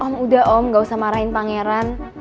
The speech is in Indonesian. om udah om gak usah marahin pangeran